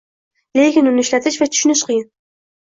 Lekin uni ishlatish va tushunish qiyin.